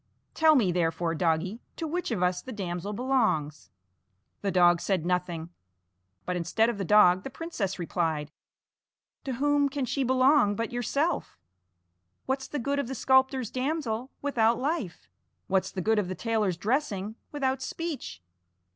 Tell me, therefore, doggie, to which of us the damsel belongs." The dog said nothing, but instead of the dog the princess replied: "To whom can she belong but to yourself? What's the good of the sculptor's damsel without life? What's the good of the tailor's dressing without speech?